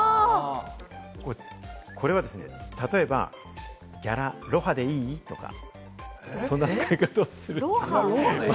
これは例えば、ギャラ、ロハでいい？とか、そんな使い方します。